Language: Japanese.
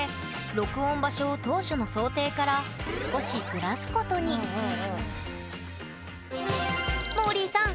録音場所を当初の想定から少しずらすことにもーりーさん